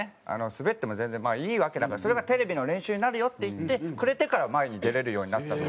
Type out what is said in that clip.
スベっても全然いいわけだからそれがテレビの練習になるよ」って言ってくれてから前に出れるようになった。